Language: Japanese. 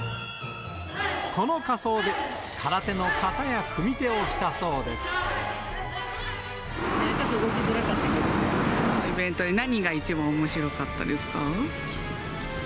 この仮装で、ちょっと動きづらかったけどイベントで何が一番おもしろかったですか？